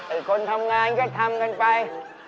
คนทำงานก็ทำกันไป